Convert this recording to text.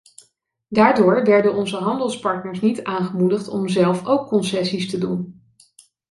Daardoor werden onze handelspartners niet aangemoedigd om zelf ook concessies te doen.